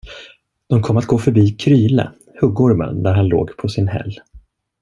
De kom att gå förbi Kryle, huggormen, där han låg på sin häll.